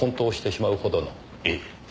ええ。